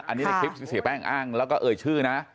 อันนี้ในคลิปที่เสียแป้งอ้างแล้วก็เอ่ยชื่อนะ